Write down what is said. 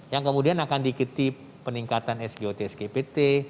yang kemudian akan diketip peningkatan sgo tsg pt